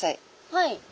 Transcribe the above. はい。